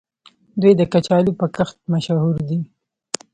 دوی د کچالو په کښت مشهور دي.